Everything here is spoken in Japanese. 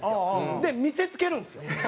で見せつけるんですよ。